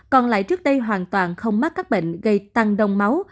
còn lại trước đây hoàn toàn không mắc các bệnh gây tăng đông máu